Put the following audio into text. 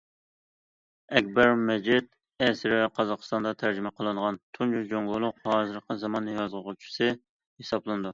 ئەكبەر مىجىت ئەسىرى قازاقىستاندا تەرجىمە قىلىنغان تۇنجى جۇڭگولۇق ھازىرقى زامان يازغۇچىسى ھېسابلىنىدۇ.